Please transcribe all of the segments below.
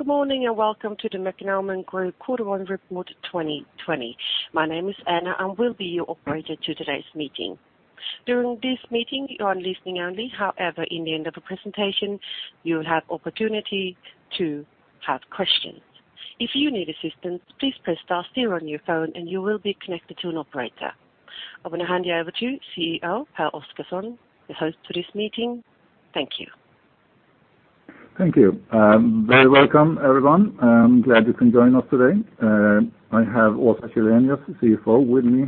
Good morning, and welcome to the Mekonomen Group Q1 Report 2020. My name is Anna, I will be your operator to today's meeting. During this meeting, you are listening only. However, in the end of the presentation, you'll have opportunity to have questions. If you need assistance, please press star zero on your phone and you will be connected to an operator. I'm going to hand you over to CEO Pehr Oscarson, the host for this meeting. Thank you. Thank you. Welcome, everyone. I'm glad you can join us today. I have Åsa Källenius, the CFO, with me,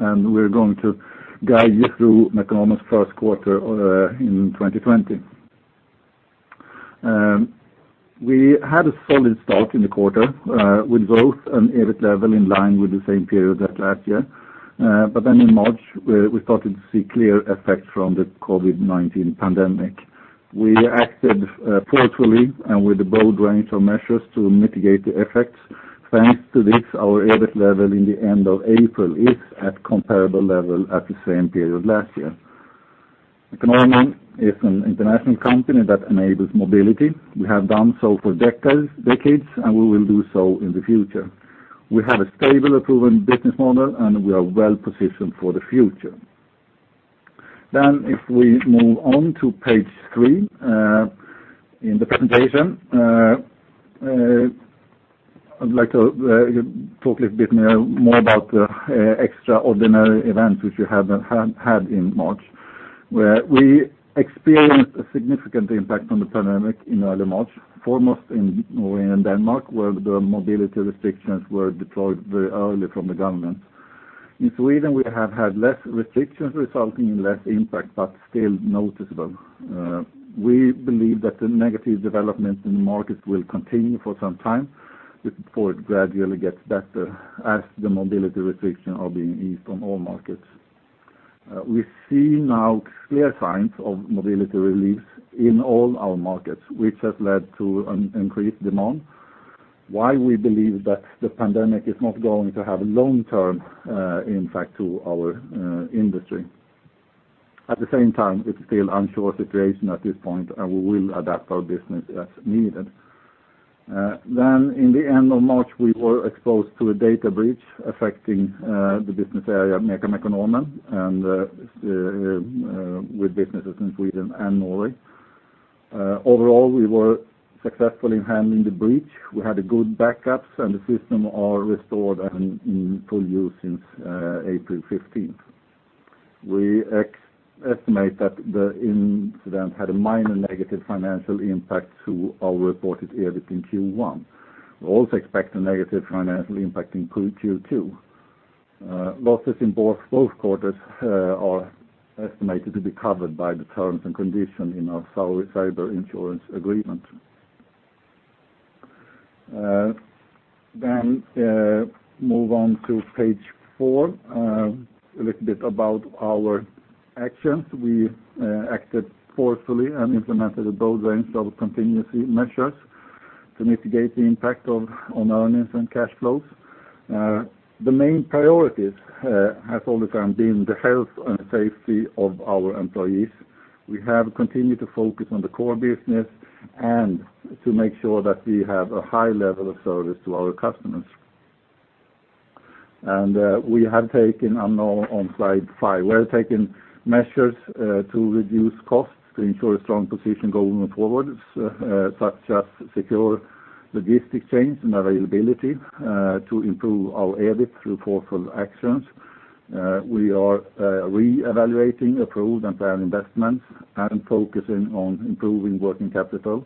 and we're going to guide you through Mekonomen's Q1 in 2020. We had a solid start in the quarter, with growth and EBIT level in line with the same period as last year. In March, we started to see clear effects from the COVID-19 pandemic. We acted forcefully and with a bold range of measures to mitigate the effects. Thanks to this, our EBIT level in the end of April is at comparable level at the same period last year. Mekonomen is an international company that enables mobility. We have done so for decades, and we will do so in the future. We have a stable and proven business model, and we are well-positioned for the future. If we move on to page three in the presentation, I'd like to talk a little bit more about the extraordinary events which we had in March, where we experienced a significant impact from the pandemic in early March, foremost in Norway and Denmark, where the mobility restrictions were deployed very early from the government. In Sweden, we have had less restrictions, resulting in less impact, but still noticeable. We believe that the negative development in the markets will continue for some time before it gradually gets better as the mobility restriction are being eased on all markets. We see now clear signs of mobility relief in all our markets, which has led to an increased demand. Why we believe that the pandemic is not going to have long-term impact to our industry. At the same time, it's still unsure situation at this point, and we will adapt our business as needed. In the end of March, we were exposed to a data breach affecting the business area MECA Mekonomen and with businesses in Sweden and Norway. Overall, we were successful in handling the breach. We had good backups and the system are restored and in full use since April 15th. We estimate that the incident had a minor negative financial impact to our reported EBIT in Q1. We also expect a negative financial impact in Q2. Losses in both quarters are estimated to be covered by the terms and condition in our cyber insurance agreement. Move on to page four, a little bit about our actions. We acted forcefully and implemented a broad range of contingency measures to mitigate the impact on earnings and cash flows. The main priorities have all the time been the health and safety of our employees. We have continued to focus on the core business and to make sure that we have a high level of service to our customers. I'm now on slide five. We have taken measures to reduce costs to ensure a strong position going forward, such as secure logistic chains and availability to improve our EBIT through forceful actions. We are re-evaluating approved and planned investments and focusing on improving working capital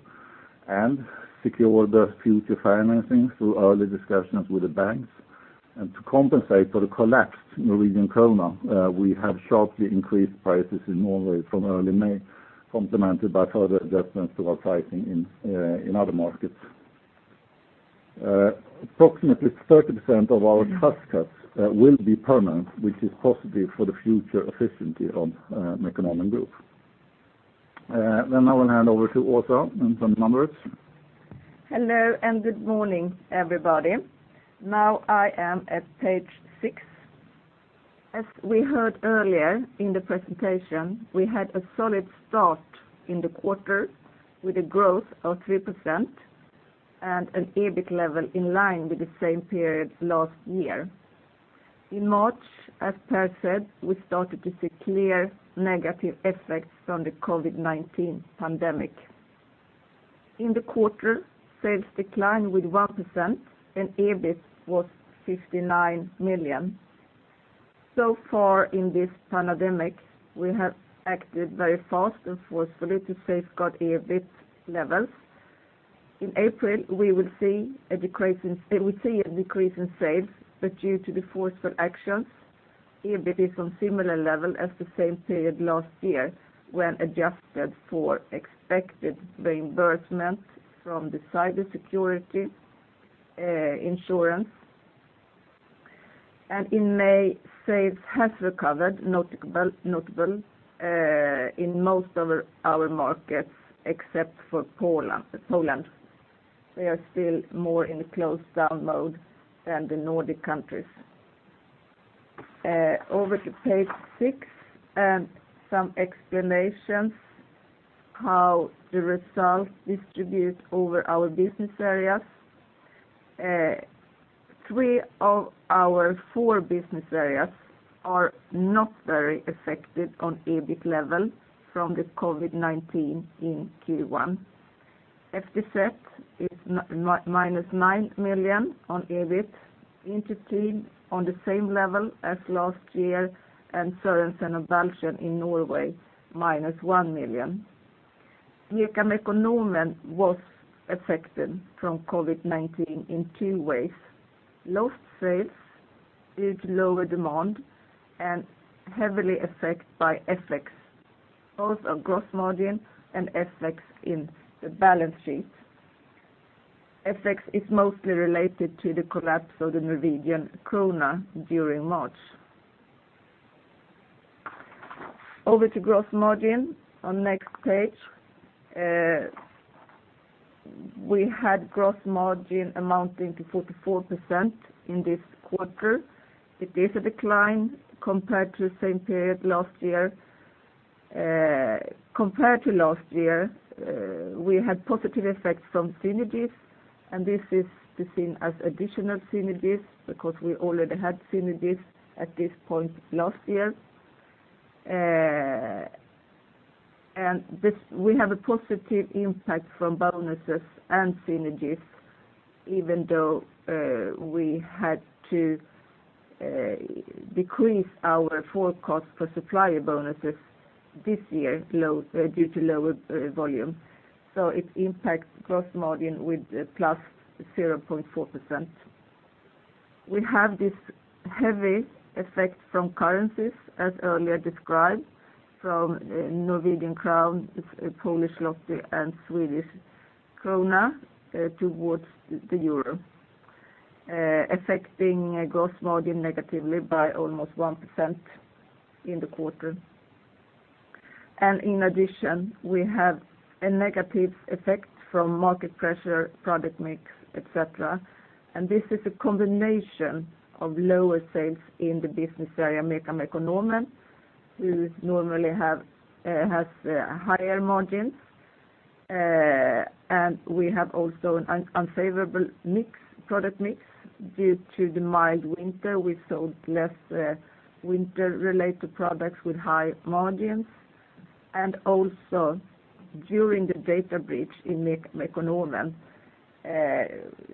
and secure the future financing through early discussions with the banks. To compensate for the collapsed Norwegian krone, we have sharply increased prices in Norway from early May, complemented by further adjustments to our pricing in other markets. Approximately 30% of our cost cuts will be permanent, which is positive for the future efficiency of Mekonomen Group. I will hand over to Åsa and some numbers. Hello, and good morning, everybody. I am at page six. As we heard earlier in the presentation, we had a solid start in the quarter with a growth of 3% and an EBIT level in line with the same period last year. In March, as Pehr said, we started to see clear negative effects from the COVID-19 pandemic. In the quarter, sales declined with 1% and EBIT was 59 million. So far in this pandemic, we have acted very fast and forcefully to safeguard EBIT levels. In April, we will see a decrease in sales, but due to the forceful actions, EBIT is on similar level as the same period last year when adjusted for expected reimbursement from the cybersecurity insurance. In May, sales has recovered notable in most of our markets except for Poland. They are still more in closed-down mode than the Nordic countries. Over to page six, some explanations how the results distribute over our business areas. Three of our four business areas are not very affected on EBIT level from the COVID-19 in Q1. FTZ is minus 9 million on EBIT. Inter-Team on the same level as last year, and Sørensen og Balchen in Norway, minus 1 million. Mekonomen was affected from COVID-19 in two ways, lost sales due to lower demand and heavily affected by FX, both on gross margin and FX in the balance sheet. FX is mostly related to the collapse of the Norwegian krone during March. Over to gross margin on next page. We had gross margin amounting to 44% in this quarter. It is a decline compared to the same period last year. Compared to last year, we had positive effects from synergies, and this is to seen as additional synergies because we already had synergies at this point last year. We have a positive impact from bonuses and synergies, even though we had to decrease our forecast for supplier bonuses this year due to lower volume. It impacts gross margin with +0.4%. We have this heavy effect from currencies as earlier described from Norwegian krone, Polish zloty, and Swedish krona towards the euro, affecting gross margin negatively by almost 1% in the quarter. In addition, we have a negative effect from market pressure, product mix, et cetera. This is a combination of lower sales in the business area Mekonomen, who normally has higher margins. We have also an unfavorable product mix due to the mild winter. We sold less winter-related products with high margins. Also during the data breach in Mekonomen,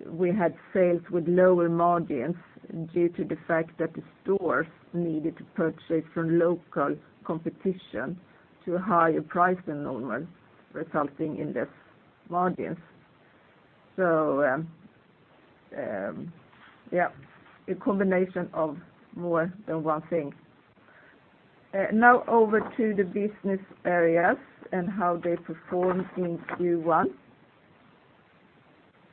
we had sales with lower margins due to the fact that the stores needed to purchase from local competition to a higher price than normal, resulting in less margins. A combination of more than one thing. Now over to the business areas and how they performed in Q1.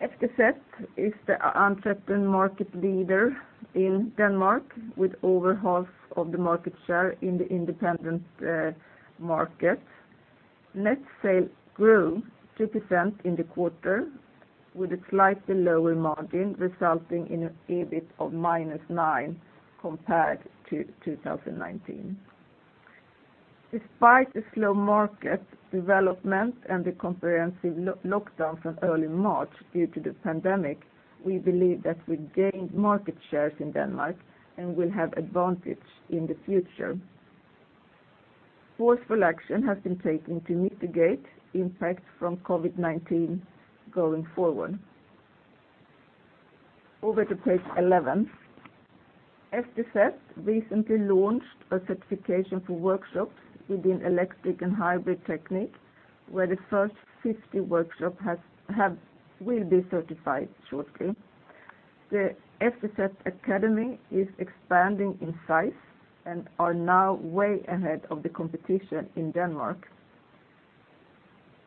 FTZ is the entrepreneur market leader in Denmark with over half of the market share in the independent market. Net sales grew 2% in the quarter with a slightly lower margin, resulting in an EBIT of -9 compared to 2019. Despite the slow market development and the comprehensive lockdown from early March due to the pandemic, we believe that we gained market shares in Denmark and will have advantage in the future. Forceful action has been taken to mitigate impact from COVID-19 going forward. Over to page 11. FTZ recently launched a certification for workshops within electric and hybrid technique, where the first 50 workshop will be certified shortly. The FTZ Akademi is expanding in size and are now way ahead of the competition in Denmark.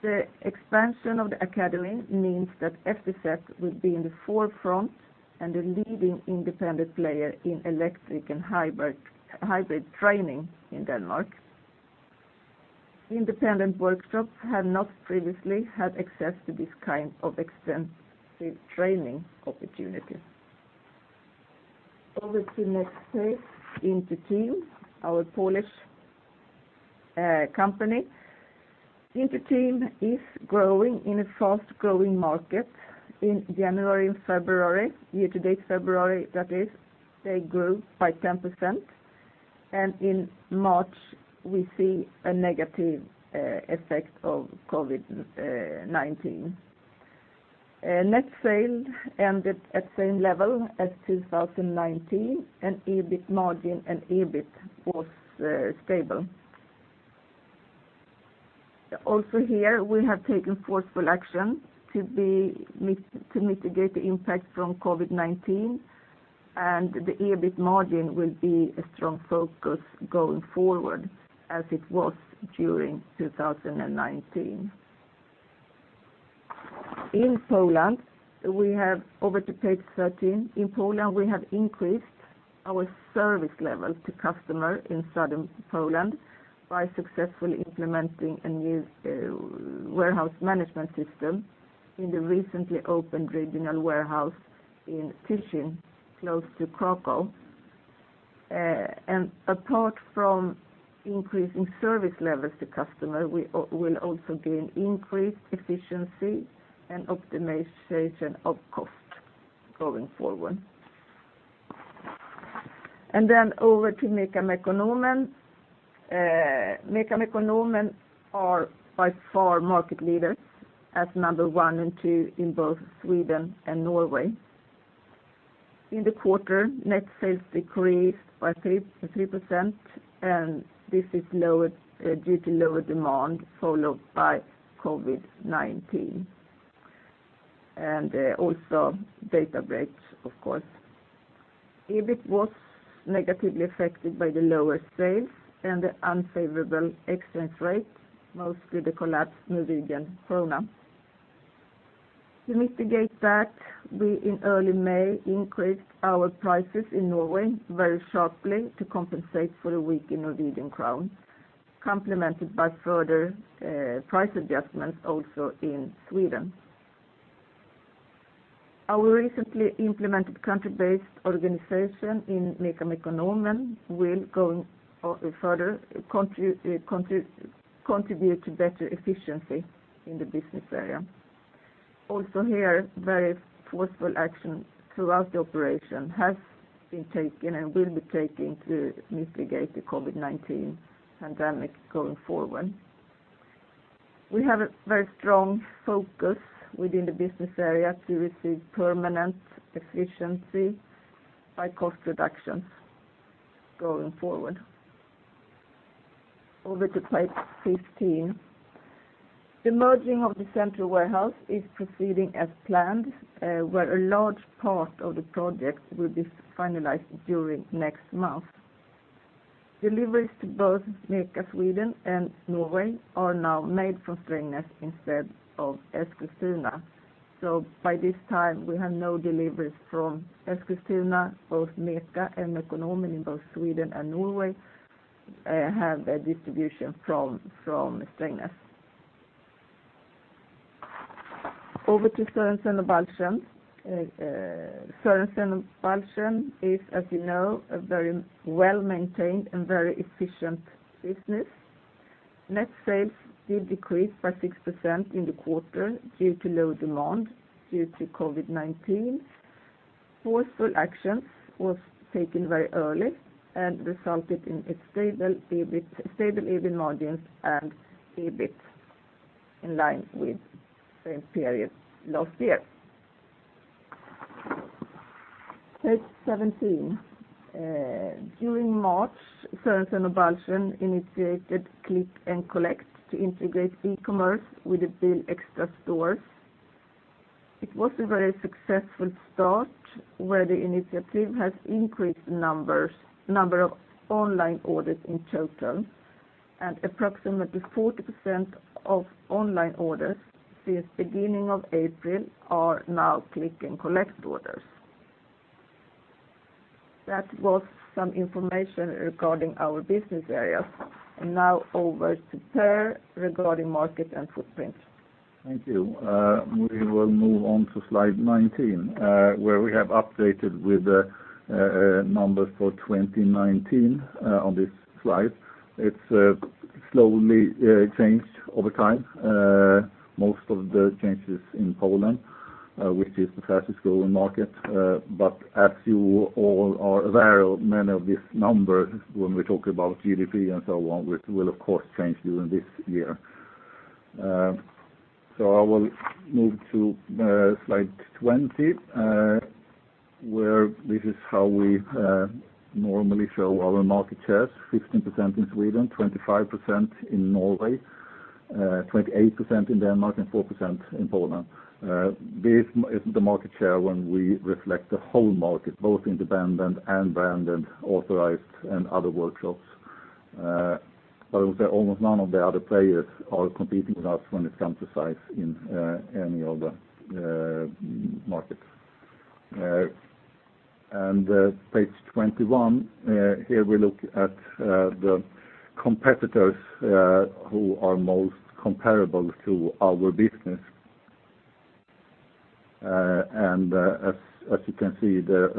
The expansion of the academy means that FTZ will be in the forefront and the leading independent player in electric and hybrid training in Denmark. Independent workshops have not previously had access to this kind of extensive training opportunity. Over to next page, Inter-Team, our Polish company. Inter-Team is growing in a fast-growing market. In January and February, year to date February, that is, they grew by 10%. In March, we see a negative effect of COVID-19. Net sales ended at same level as 2019. EBIT margin and EBIT was stable. Here, we have taken forceful action to mitigate the impact from COVID-19, and the EBIT margin will be a strong focus going forward as it was during 2019. Over to page 13. In Poland, we have increased our service level to customer in Southern Poland by successfully implementing a new warehouse management system. In the recently opened regional warehouse in Tyczyn, close to Kraków. Apart from increasing service levels to customer, we will also gain increased efficiency and optimization of cost going forward. Over to MECA Mekonomen. MECA Mekonomen are by far market leaders as number one and two in both Sweden and Norway. In the quarter, net sales decreased by 3%, this is due to lower demand followed by COVID-19, and also data breaks, of course. EBIT was negatively affected by the lower sales and the unfavorable exchange rate, mostly the collapsed Norwegian krone. To mitigate that, we in early May increased our prices in Norway very sharply to compensate for the weak Norwegian krone, complemented by further price adjustments also in Sweden. Our recently implemented country-based organization in MECA Mekonomen will further contribute to better efficiency in the business area. Also here, very forceful action throughout the operation has been taken and will be taken to mitigate the COVID-19 pandemic going forward. We have a very strong focus within the business area to receive permanent efficiency by cost reductions going forward. Over to page 15. The merging of the central warehouse is proceeding as planned, where a large part of the project will be finalized during next month. Deliveries to both MECA Sweden and Norway are now made from Strängnäs instead of Eskilstuna. By this time, we have no deliveries from Eskilstuna. Both MECA and Mekonomen in both Sweden and Norway have their distribution from Strängnäs. Over to Sørensen og Balchen. Sørensen og Balchen is, as you know, a very well-maintained and very efficient business. Net sales did decrease by 6% in the quarter due to low demand due to COVID-19. Forceful actions was taken very early and resulted in stable EBIT margins and EBIT in line with the same period last year. Page 17. During March, Sørensen og Balchen initiated click and collect to integrate e-commerce with the BilXtra stores. It was a very successful start, where the initiative has increased the number of online orders in total, and approximately 40% of online orders since beginning of April are now click and collect orders. That was some information regarding our business areas. Now over to Pehr regarding market and footprint. Thank you. We will move on to slide 19 where we have updated with the numbers for 2019 on this slide. It's slowly changed over time. Most of the changes in Poland, which is the fastest growing market. As you all are aware of many of these numbers when we talk about GDP and so on, which will of course change during this year. I will move to slide 20, where this is how we normally show our market shares, 15% in Sweden, 25% in Norway, 28% in Denmark, and 4% in Poland. This is the market share when we reflect the whole market, both independent and branded, authorized and other workshops. Almost none of the other players are competing with us when it comes to size in any of the markets. Page 21, here we look at the competitors who are most comparable to our business. As you can see there,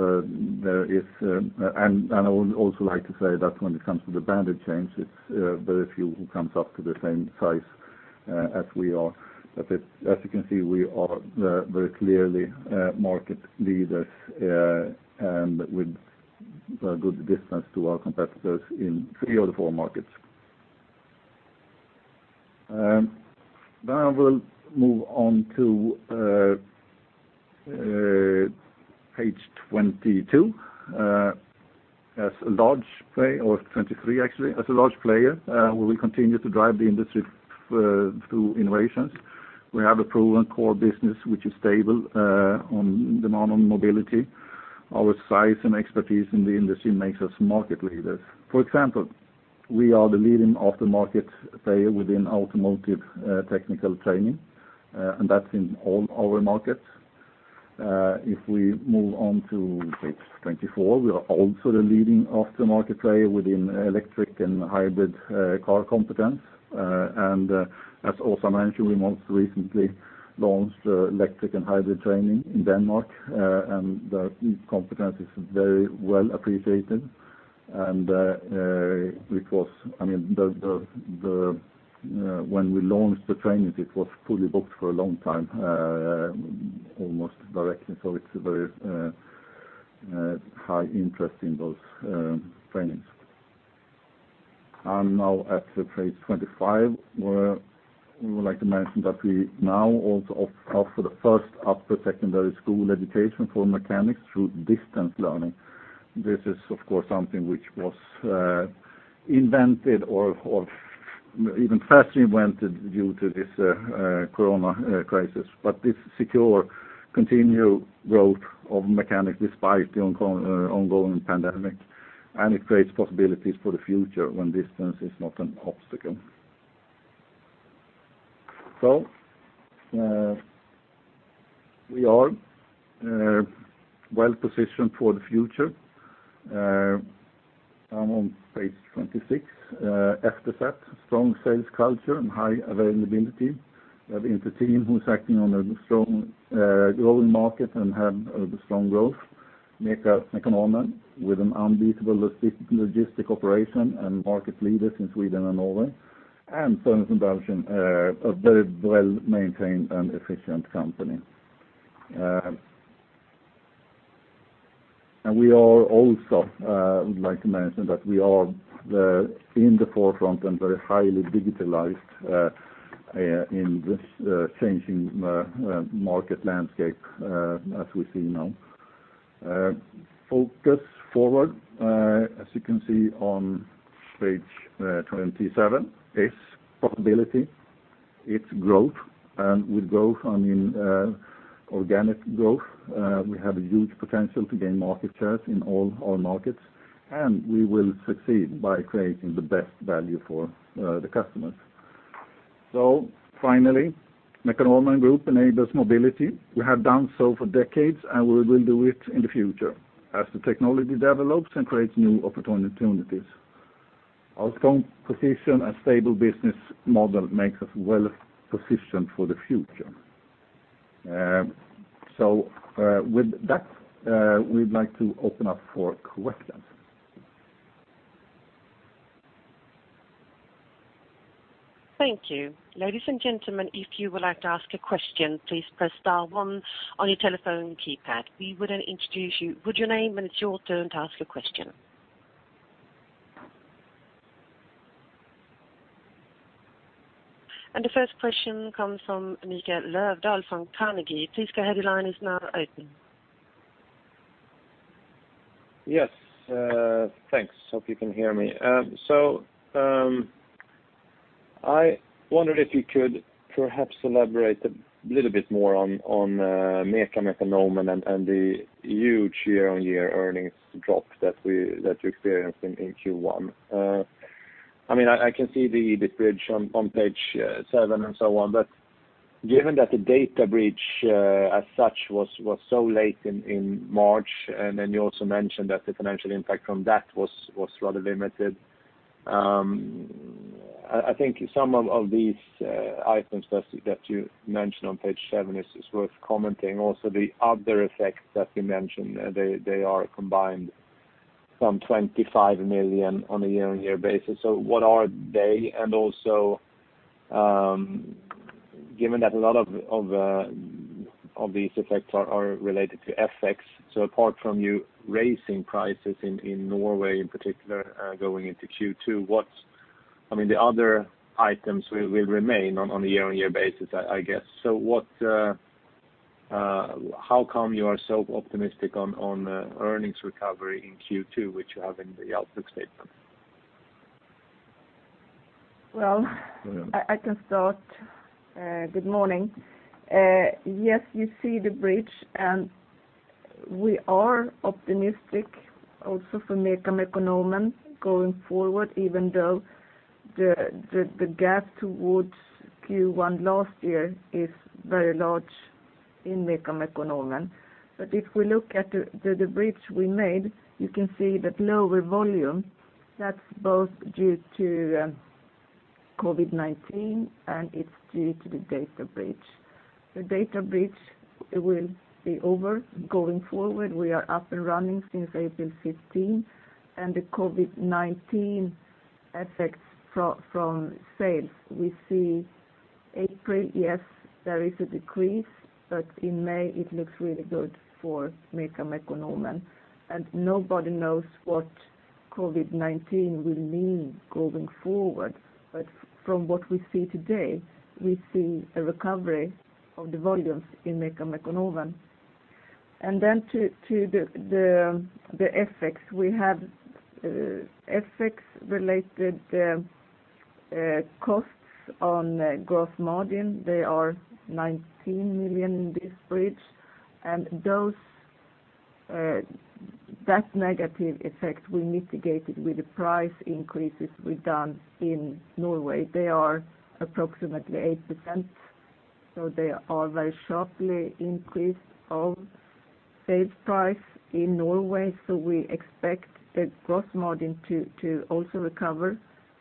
and I would also like to say that when it comes to the branded chains, it's very few who comes up to the same size as we are. As you can see, we are very clearly market leaders and with a good distance to our competitors in three of the four markets. I will move on to page 22 or 23, actually. As a large player, we will continue to drive the industry through innovations. We have a proven core business, which is stable on demand on mobility. Our size and expertise in the industry makes us market leaders. For example, we are the leading aftermarket player within automotive technical training, and that's in all our markets. If we move on to page 24, we are also the leading aftermarket player within electric and hybrid car competence. As Åsa mentioned, we most recently launched electric and hybrid training in Denmark, and the competence is very well appreciated. When we launched the trainings, it was fully booked for a long time, almost directly. It's a very high interest in those trainings. Now at page 25, where we would like to mention that we now also offer the first upper secondary school education for mechanics through distance learning. This is, of course, something which was invented or even fast-invented due to this COVID-19 crisis, but this secure continued growth of mechanic despite the ongoing pandemic, and it creates possibilities for the future when distance is not an obstacle. We are well-positioned for the future. On page 26, EFTERSET, strong sales culture and high availability. We have Inter-Team who's acting on a strong growing market and have a strong growth. MECA Mekonomen, with an unbeatable logistic operation and market leaders in Sweden and Norway. Sørensen og Balchen, a very well-maintained and efficient company. I would like to mention that we are in the forefront and very highly digitalized in this changing market landscape as we see now. Focus forward, as you can see on page 27, is profitability, it's growth. With growth, I mean organic growth. We have a huge potential to gain market shares in all our markets, and we will succeed by creating the best value for the customers. Finally, Mekonomen Group enables mobility. We have done so for decades, and we will do it in the future as the technology develops and creates new opportunities. Our strong position and stable business model makes us well-positioned for the future. With that, we'd like to open up for questions. Thank you. Ladies and gentlemen, if you would like to ask a question, please press star one on your telephone keypad. We would then introduce you with your name when it's your turn to ask a question. The first question comes from Mikael Löfdahl from Carnegie. Please go ahead, your line is now open. Yes. Thanks. Hope you can hear me. I wondered if you could perhaps elaborate a little bit more on MECA Mekonomen and the huge year-on-year earnings drop that you experienced in Q1. I can see the bridge on page seven and so on, given that the data breach as such was so late in March, you also mentioned that the financial impact from that was rather limited. I think some of these items that you mentioned on page seven is worth commenting. The other effects that you mentioned, they are combined some 25 million on a year-on-year basis. What are they? Given that a lot of these effects are related to FX, apart from you raising prices in Norway in particular going into Q2, the other items will remain on a year-on-year basis, I guess. How come you are so optimistic on earnings recovery in Q2, which you have in the outlook statement? Well, I can start. Good morning. You see the bridge, we are optimistic also for MECA Mekonomen going forward, even though the gap towards Q1 last year is very large in MECA Mekonomen. If we look at the bridge we made, you can see that lower volume, that's both due to COVID-19 and it's due to the data breach. The data breach will be over. Going forward, we are up and running since April 15. The COVID-19 effects from sales, we see April, yes, there is a decrease, but in May it looks really good for MECA Mekonomen. Nobody knows what COVID-19 will mean going forward. From what we see today, we see a recovery of the volumes in MECA Mekonomen. To the FX. We have FX-related costs on gross margin. They are 19 million in this bridge. That negative effect we mitigated with the price increases we've done in Norway. They are approximately 8%, they are very sharply increased of sales price in Norway. We expect the gross margin to also recover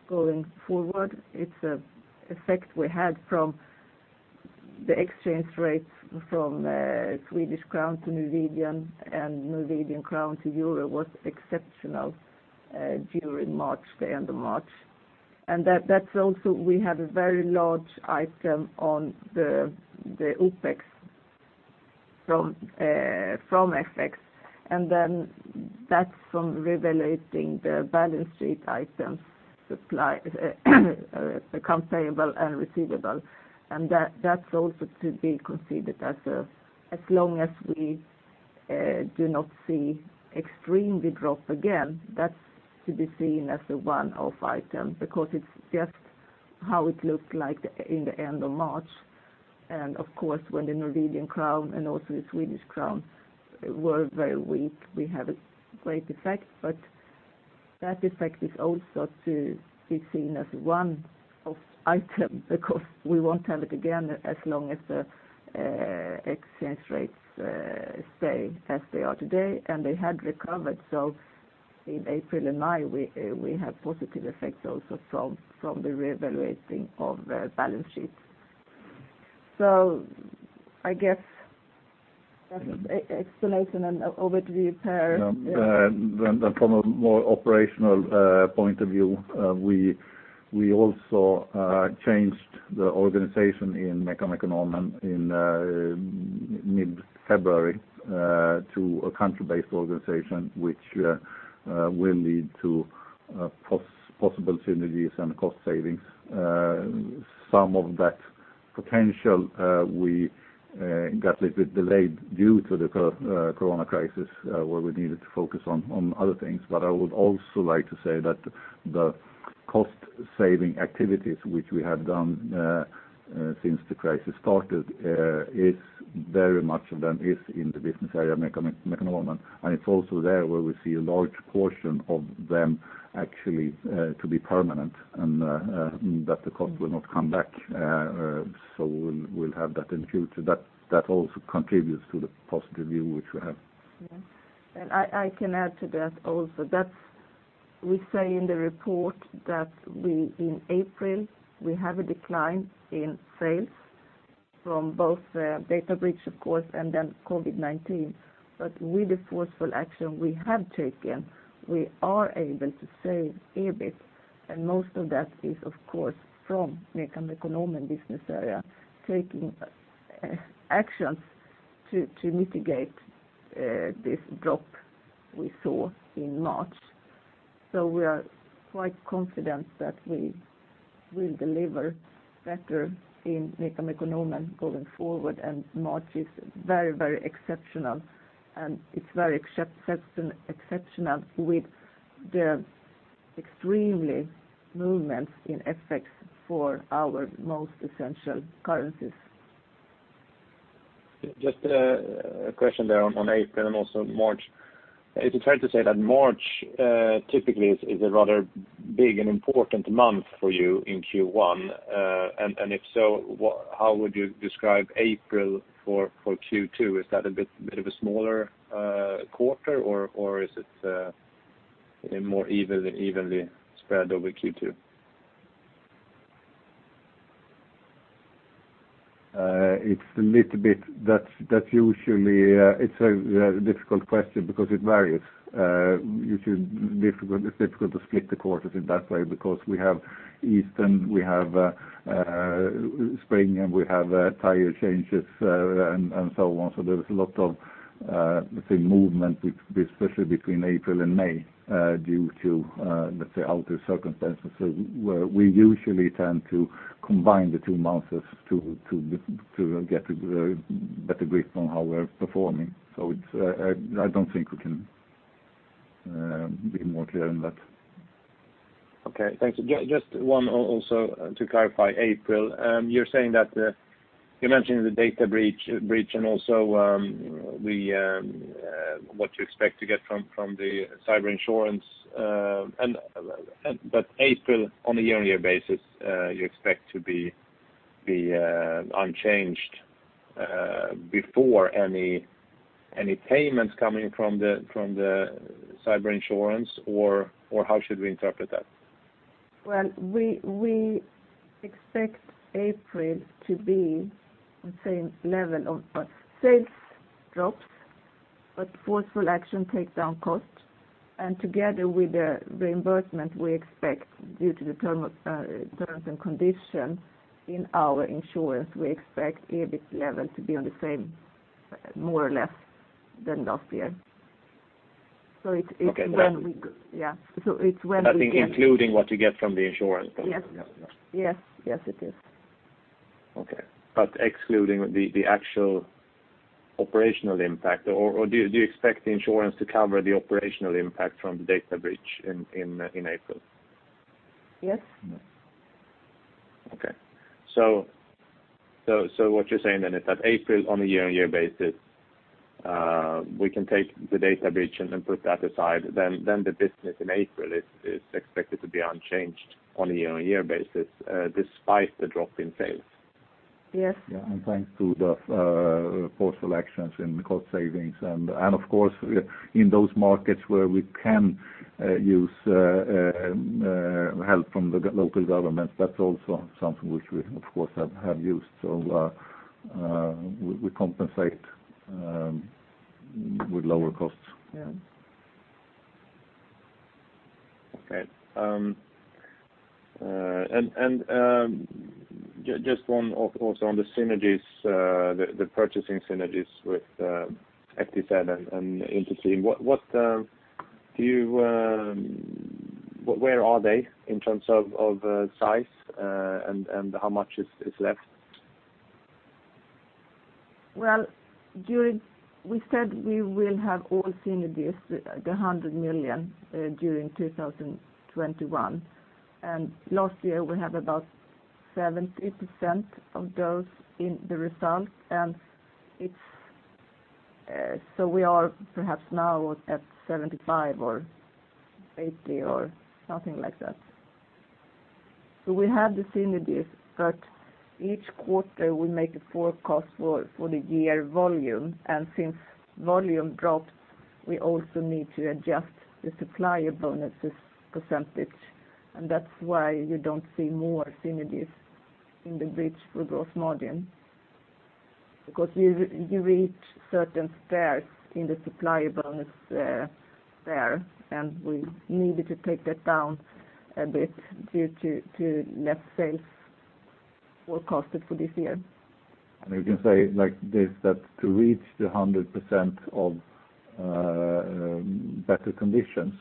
going forward. It's a effect we had from the exchange rates from Swedish krona to Norwegian and Norwegian krone to euro was exceptional during the end of March. That's also we have a very large item on the OPEX from FX, and then that's from revaluating the balance sheet items, accounts payable and receivable. That's also to be considered as long as we do not see extremely drop again, that's to be seen as a one-off item because it's just how it looked like in the end of March. Of course, when the Norwegian krone and also the Swedish krona were very weak, we have a great effect. That effect is also to be seen as one-off item because we won't have it again as long as the exchange rates stay as they are today. They had recovered, so in April and May, we have positive effects also from the revaluating of the balance sheets. I guess that's explanation and overview, Pehr. From a more operational point of view, we also changed the organization in MECA Mekonomen in mid-February to a country-based organization, which will lead to possible synergies and cost savings. Some of that potential we got a little bit delayed due to the COVID crisis where we needed to focus on other things. I would also like to say that the cost-saving activities which we have done since the crisis started, very much of them is in the business area MECA Mekonomen, and it's also there where we see a large portion of them actually to be permanent and that the cost will not come back. We'll have that in future. That also contributes to the positive view which we have. Yes. I can add to that also. We say in the report that in April, we have a decline in sales from both the data breach, of course, and then COVID-19. With the forceful action we have taken, we are able to save EBIT, and most of that is, of course, from MEKO Mekonomen business area taking actions to mitigate this drop we saw in March. We are quite confident that we will deliver better in MEKO Mekonomen going forward, and March is very exceptional, and it's very exceptional with the extremely movements in FX for our most essential currencies. Just a question there on April and also March. Is it fair to say that March typically is a rather big and important month for you in Q1? If so, how would you describe April for Q2? Is that a bit of a smaller quarter, or is it more evenly spread over Q2? It's a difficult question because it varies. It's difficult to split the quarters in that way because we have Easter, we have spring, and we have tire changes and so on. There is a lot of, let's say, movement, especially between April and May due to, let's say, outer circumstances. We usually tend to combine the two months to get a better grip on how we're performing. I don't think we can be more clear than that. Okay, thank you. Just one also to clarify April. You mentioned the data breach, and also what you expect to get from the cyber insurance. April, on a year-on-year basis, you expect to be unchanged before any payments coming from the cyber insurance, or how should we interpret that? Well, we expect April to be the same level of sales drops, forceful action take down costs, together with the reimbursement we expect due to the terms and condition in our insurance, we expect EBIT level to be on the same more or less than last year. Okay. Yeah. it's when we Nothing including what you get from the insurance company? Yes. Yes. Yes, it is. Okay. Excluding the actual operational impact, or do you expect the insurance to cover the operational impact from the data breach in April? Yes. What you're saying then is that April, on a year-on-year basis, we can take the data breach and put that aside, then the business in April is expected to be unchanged on a year-on-year basis, despite the drop in sales? Yes. Yeah, thanks to the forceful actions in cost savings and of course, in those markets where we can use help from the local governments, that's also something which we, of course, have used. We compensate with lower costs. Yeah. Okay. Just one also on the synergies, the purchasing synergies with FTZ and Inter-Team, where are they in terms of size, and how much is left? We said we will have all synergies, the 100 million, during 2021. Last year we have about 70% of those in the result. We are perhaps now at 75% or 80% or something like that. We have the synergies, but each quarter we make a forecast for the year volume, and since volume dropped, we also need to adjust the supplier bonuses percentage. That's why you don't see more synergies in the bridge for gross margin. You reach certain tiers in the supplier bonus there, and we needed to take that down a bit due to less sales forecasted for this year. We can say like this, that to reach the 100% of better conditions,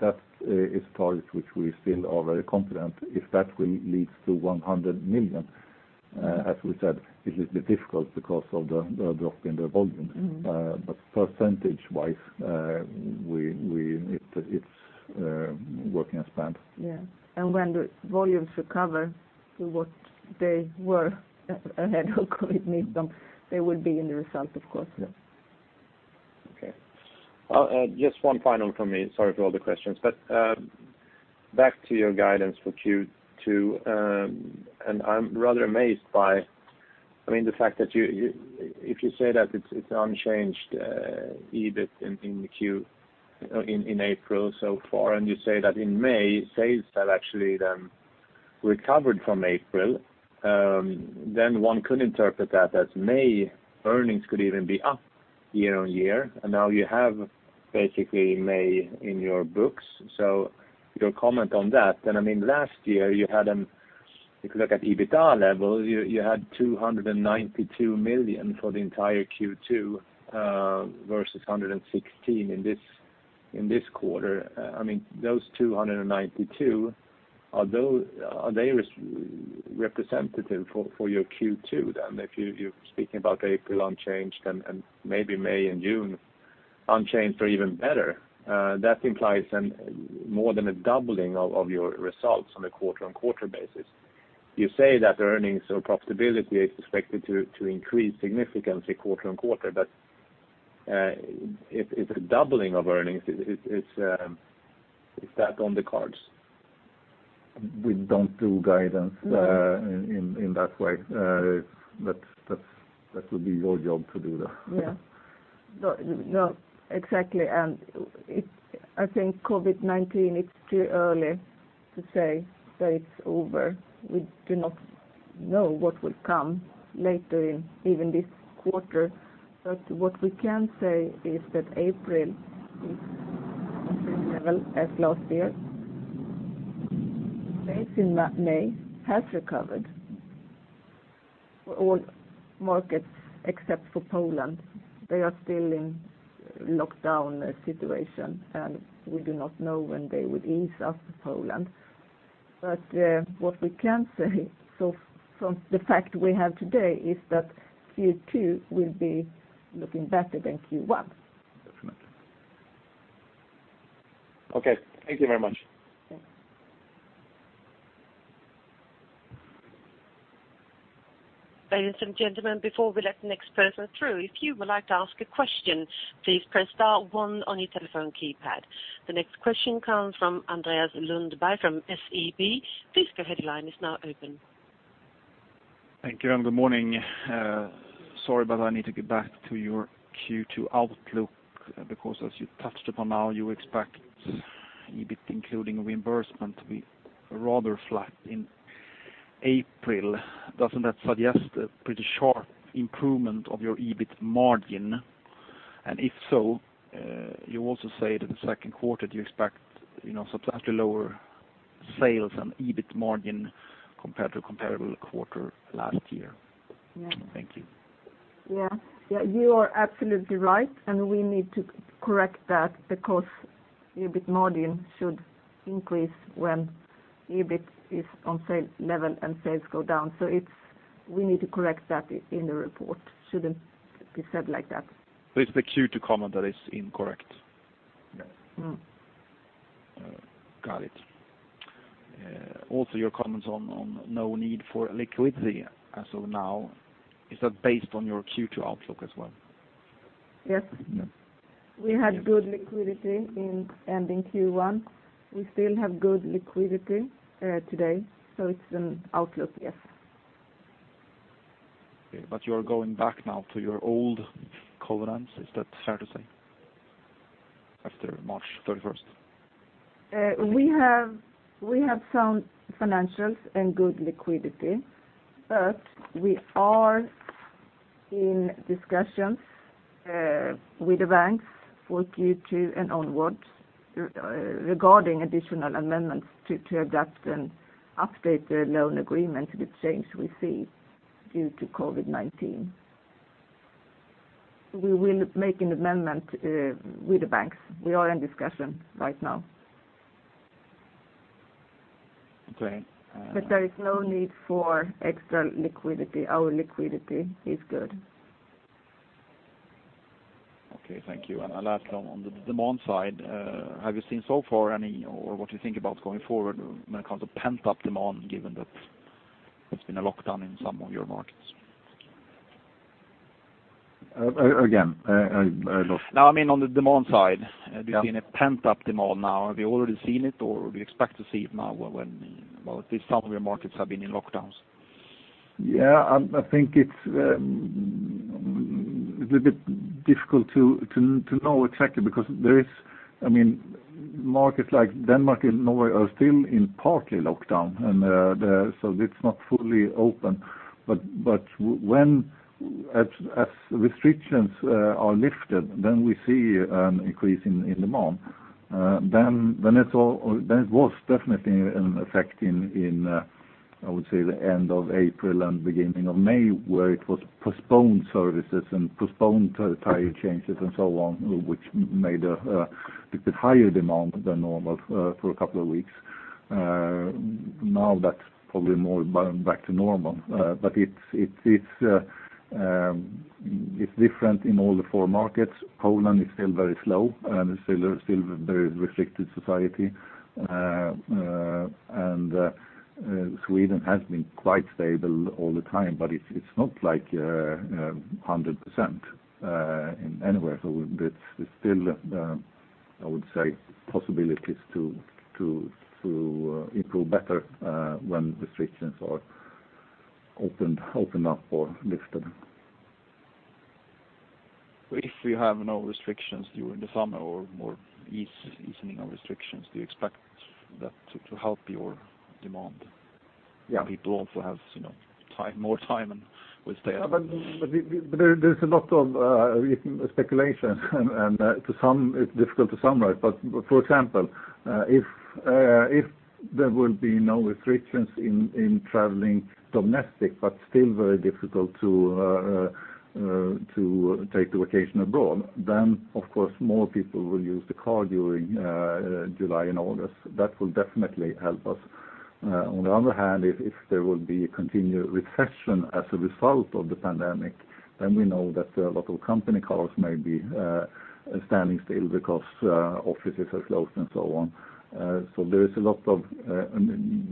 that is a target which we still are very confident if that will lead to 100 million. As we said, it will be difficult because of the drop in the volume. Percentage-wise, it's working as planned. Yeah. When the volumes recover to what they were ahead of COVID-19, they will be in the result, of course, then. Okay. Just one final from me. Sorry for all the questions, back to your guidance for Q2, I'm rather amazed by the fact that if you say that it's unchanged EBIT in April so far, and you say that in May, sales have actually then recovered from April, then one could interpret that as May earnings could even be up year-on-year. Now you have basically May in your books. Your comment on that, last year you had, if you look at EBITDA levels, you had 292 million for the entire Q2 versus 116 in this quarter. Those 292, are they representative for your Q2? If you're speaking about April unchanged and maybe May and June unchanged or even better, that implies more than a doubling of your results on a quarter-on-quarter basis. You say that the earnings or profitability is expected to increase significantly quarter-on-quarter. If a doubling of earnings, is that on the cards? We don't do guidance in that way. That would be your job to do that. Yeah. No, exactly. I think COVID-19, it's too early to say it's over. We do not know what will come later in even this quarter. What we can say is that April is on the same level as last year. Sales in May have recovered for all markets except for Poland. They are still in lockdown situation, and we do not know when they would ease up Poland. What we can say from the fact we have today is that Q2 will be looking better than Q1. Definitely. Okay. Thank you very much. Thanks. Ladies and gentlemen, before we let the next person through, if you would like to ask a question, please press star one on your telephone keypad. The next question comes from Andreas Lundberg from SEB. Please go ahead, your line is now open. Thank you, and good morning. Sorry, but I need to get back to your Q2 outlook, because as you touched upon now, you expect EBIT including reimbursement to be rather flat in April. Doesn't that suggest a pretty sharp improvement of your EBIT margin? If so, you also say that the second quarter do you expect substantially lower sales and EBIT margin compared to comparable quarter last year? Yeah. Thank you. Yeah. You are absolutely right. We need to correct that because EBIT margin should increase when EBIT is on sales level and sales go down. We need to correct that in the report. Shouldn't be said like that. It's the Q2 comment that is incorrect? Yeah. Got it. Also your comments on no need for liquidity as of now, is that based on your Q2 outlook as well? Yes. Yes. We had good liquidity and in Q1, we still have good liquidity today. It's an outlook, yes. Okay. You are going back now to your old covenants, is that fair to say? After March 31st. We have some financials and good liquidity, but we are in discussions with the banks for Q2 and onwards regarding additional amendments to adapt and update the loan agreement with change we see due to COVID-19. We will make an amendment with the banks. We are in discussion right now. Okay. There is no need for extra liquidity. Our liquidity is good. Okay, thank you. Lastly, on the demand side, have you seen so far any, or what you think about going forward when it comes to pent-up demand, given that it's been a lockdown in some of your markets? Again, I lost- No, I mean, on the demand side. Yeah Have you seen a pent-up demand now? Have you already seen it, or do you expect to see it now when at least some of your markets have been in lockdowns? I think it's a bit difficult to know exactly because markets like Denmark and Norway are still in partly lockdown. It's not fully open. As restrictions are lifted, we see an increase in demand. It was definitely an effect in, I would say, the end of April and beginning of May, where it was postponed services and postponed tire changes and so on, which made a bit higher demand than normal for a couple of weeks. That's probably more back to normal. It's different in all the four markets. Poland is still very slow and it's still a very restricted society. Sweden has been quite stable all the time, but it's not like 100% anywhere. It's still, I would say, possibilities to improve better when restrictions are opened up or lifted. If you have no restrictions during the summer or more easing of restrictions, do you expect that to help your demand? Yeah. People also have more time and will stay at home. There's a lot of speculation and it's difficult to summarize, for example if there will be no restrictions in traveling domestic but still very difficult to take the vacation abroad, then of course more people will use the car during July and August. That will definitely help us. On the other hand, if there will be a continued recession as a result of the pandemic, then we know that a lot of company cars may be standing still because offices are closed and so on. There is a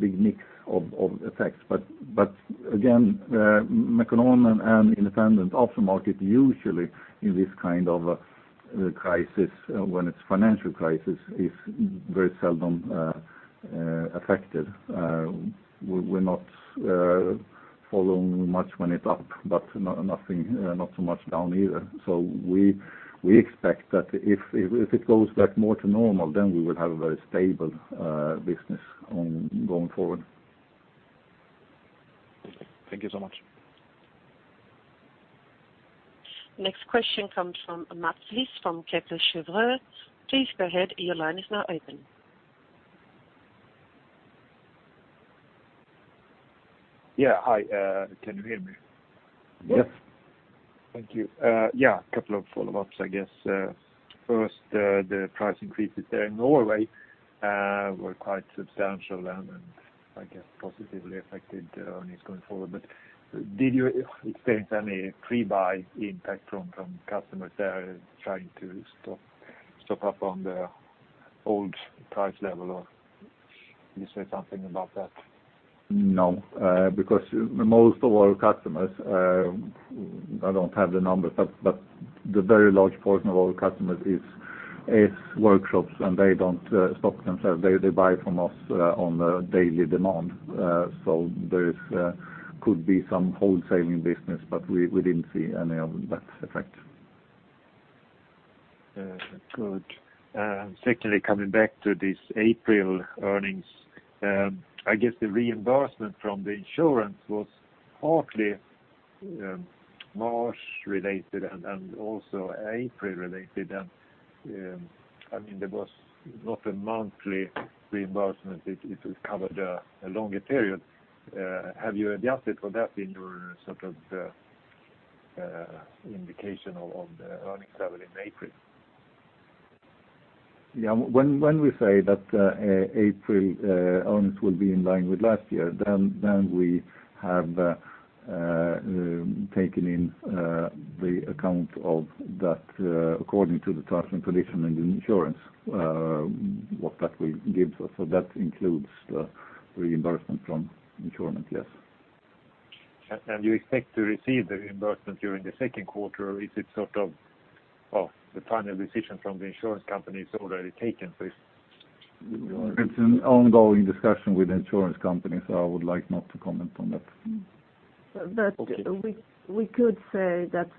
big mix of effects. Again, Mekonomen and independent aftermarket, usually in this kind of crisis when it's financial crisis, is very seldom affected. We're not following much when it's up, but not so much down either. We expect that if it goes back more to normal, then we will have a very stable business going forward. Thank you so much. Next question comes from Mats Liss from Kepler Cheuvreux. Please go ahead. Your line is now open. Yeah. Hi, can you hear me? Yes. Thank you. Yeah, a couple of follow-ups, I guess. First the price increases there in Norway were quite substantial and I guess positively affected earnings going forward. Did you experience any pre-buy impact from customers there trying to stock up on the old price level, or can you say something about that? No, because most of our customers, I don't have the numbers, but the very large portion of our customers is workshops, and they don't stock themselves. They buy from us on a daily demand. There could be some wholesaling business, but we didn't see any of that effect. Good. Coming back to these April earnings, I guess the reimbursement from the insurance was partly March related and also April related, and there was not a monthly reimbursement. It covered a longer period. Have you adjusted for that in your indication of the earnings level in April? Yeah. When we say that April earnings will be in line with last year, taking into account that according to the terms and conditions and the insurance, what that will give us. That includes the reimbursement from insurance, yes. You expect to receive the reimbursement during the Q2, or is it the final decision from the insurance company is already taken? It's an ongoing discussion with the insurance company, so I would like not to comment on that. We could say that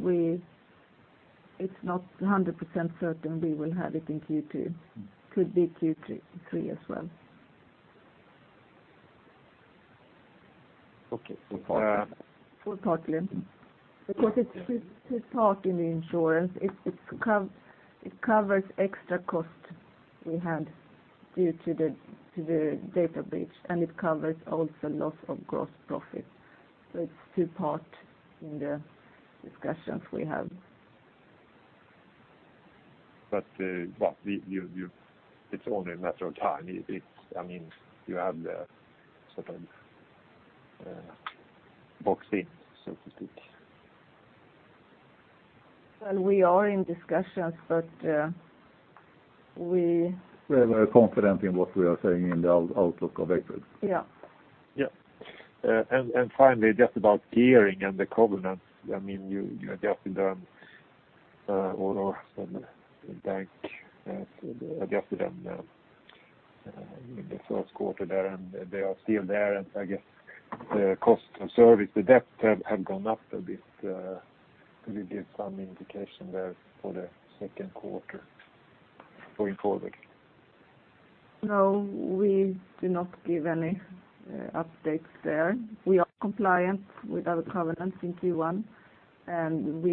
it's not 100% certain we will have it in Q2. Could be Q3 as well. Okay. Partly. It's two parts in the insurance. It covers extra cost we had due to the data breach, and it covers also loss of gross profit. It's two parts in the discussions we have. It's only a matter of time. You have the box ticked, so to speak. We are in discussions, but. We are very confident in what we are saying in the outlook of Eggeric. Yeah. Yeah. Finally, just about gearing and the covenants. You adjusted them, or from the bank adjusted them in the Q1 there, and they are still there, and I guess the cost of service, the debt have gone up a bit. Could you give some indication there for the Q2 going forward? No, we do not give any updates there. We are compliant with our covenants in Q1, and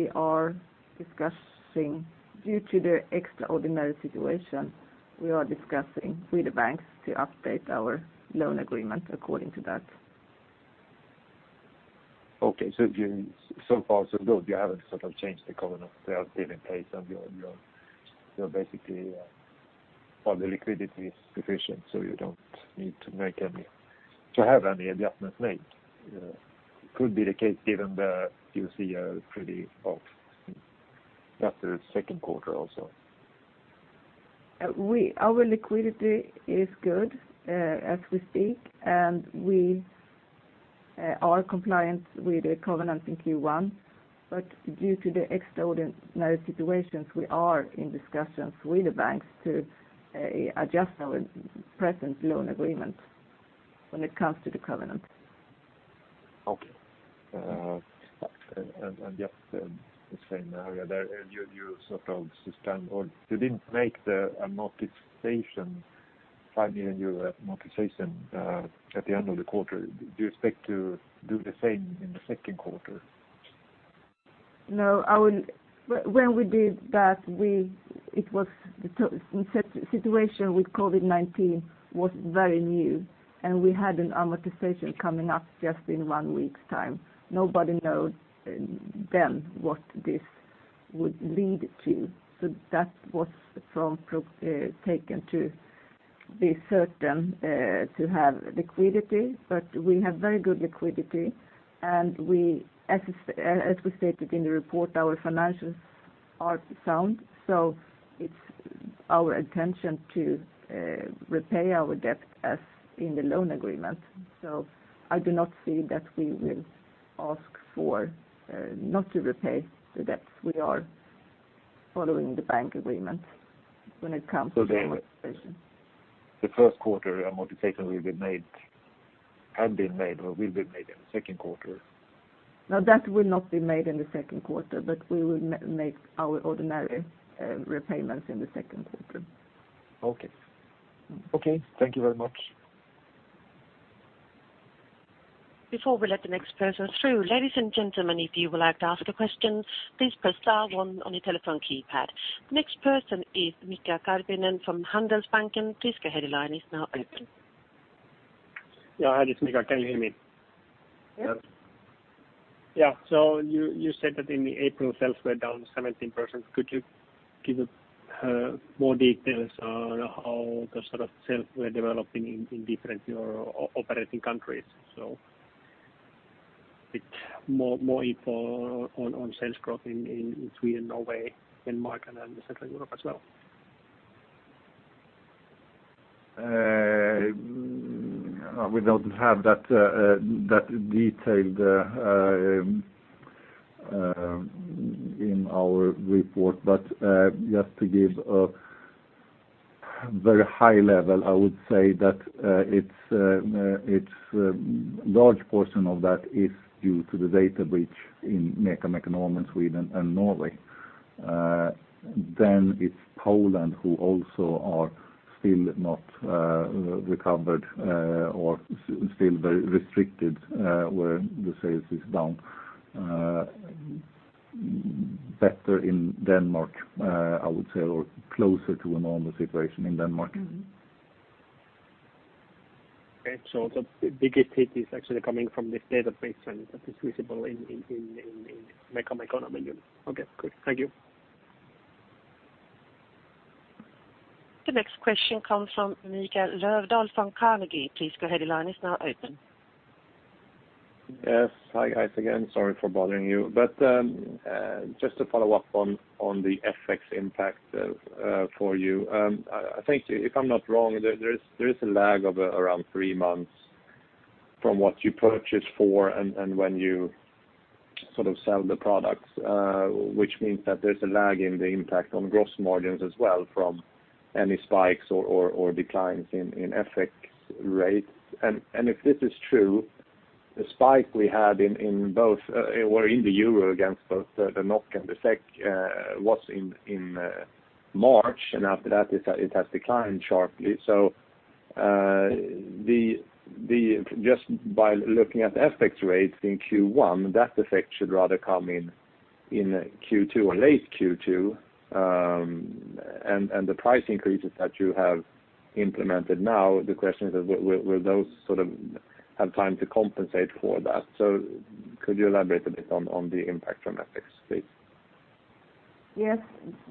due to the extraordinary situation, we are discussing with the banks to update our loan agreement according to that. Okay. So far, so good. You haven't changed the covenants. They are still in place, and basically, all the liquidity is sufficient, so you don't need to have any adjustments made. Could be the case given the QCER pretty off after the Q2 also. Our liquidity is good as we speak, and we are compliant with the covenant in Q1. Due to the extraordinary situations, we are in discussions with the banks to adjust our present loan agreement when it comes to the covenant. Okay. Just the same area there. You didn't make the amortization, 5 million euro amortization at the end of the quarter. Do you expect to do the same in the Q2? When we did that, the situation with COVID-19 was very new, and we had an amortization coming up just in one week's time. Nobody know then what this would lead to. That was taken to be certain to have liquidity, but we have very good liquidity, and as we stated in the report, our financials are sound. It's our intention to repay our debt as in the loan agreement. I do not see that we will ask for, not to repay the debts. We are following the bank agreement when it comes to amortization. The first quarter amortization will be made, had been made or will be made in the Q2. No, that will not be made in the Q2, but we will make our ordinary repayments in the Q2. Okay. Thank you very much. Before we let the next person through, ladies and gentlemen, if you would like to ask a question, please press star one on your telephone keypad. Next person is Mika Karppinen from Handelsbanken. Please go ahead, your line is now open. Yeah, hi, this is Mika. Can you hear me? Yeah. You said that in the April, sales were down 17%. Could you give more details on how the sales were developing in different operating countries? Bit more info on sales growth in Sweden, Norway, Denmark, and then the Central Europe as well. We don't have that detailed in our report. Just to give a very high level, I would say that a large portion of that is due to the data breach in MEKO, Mekonomen in Sweden and Norway. It's Poland who also are still not recovered or still very restricted, where the sales is down. Better in Denmark, I would say, or closer to a normal situation in Denmark. Okay. The biggest hit is actually coming from this database, and that is visible in MEKO, Mekonomen unit. Okay, good. Thank you. The next question comes from Mikael Löfdahl from Carnegie. Please go ahead, your line is now open. Yes. Hi guys again. Sorry for bothering you. Just to follow up on the FX impact for you. I think if I'm not wrong, there is a lag of around three months from what you purchase for and when you sell the products, which means that there's a lag in the impact on gross margins as well from any spikes or declines in FX rates. If this is true, the spike we had in the euro against both the NOK and the SEK was in March, and after that it has declined sharply. Just by looking at the FX rates in Q1, that effect should rather come in Q2 or late Q2, and the price increases that you have implemented now, the question is will those have time to compensate for that? Could you elaborate a bit on the impact from FX, please? Yes.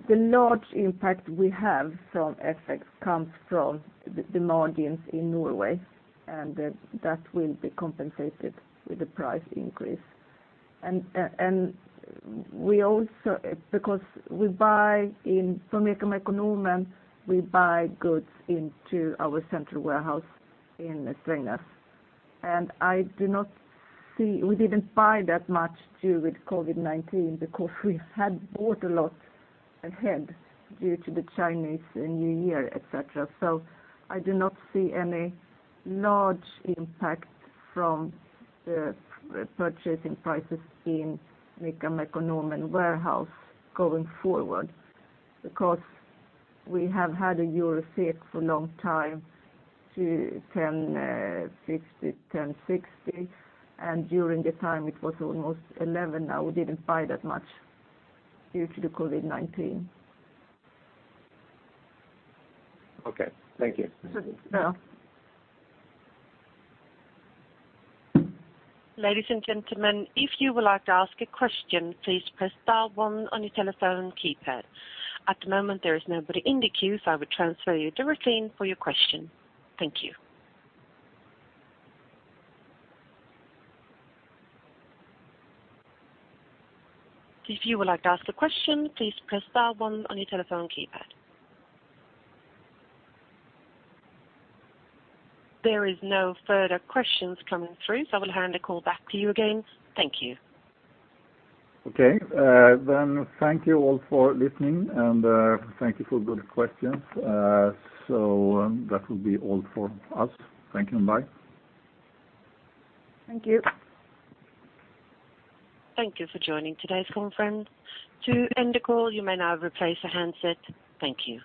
The large impact we have from FX comes from the margins in Norway, and that will be compensated with the price increase. Because we buy from Mekonomen, we buy goods into our central warehouse in Strängnäs. We didn't buy that much due to COVID-19 because we had bought a lot ahead due to the Chinese New Year, et cetera. I do not see any large impact from the purchasing prices in Mekonomen warehouse going forward, because we have had a Euro SEK for a long time to 10.60, and during the time it was almost 11 now, we didn't buy that much due to the COVID-19. Okay. Thank you. Sure. Ladies and gentlemen, if you would like to ask a question, please press dial one on your telephone keypad. At the moment, there is nobody in the queue, so I will transfer you to Retin for your question. Thank you. If you would like to ask a question, please press dial one on your telephone keypad. There is no further questions coming through, so I will hand the call back to you again. Thank you. Okay. Thank you all for listening and thank you for good questions. That will be all for us. Thank you and bye. Thank you. Thank you for joining today's conference. To end the call, you may now replace the handset. Thank you.